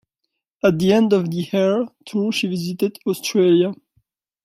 At the end of the "Hair" tour she visited Australia.